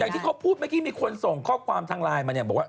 อย่างที่เขาพูดเมื่อกี้มีคนส่งข้อความทางไลน์มา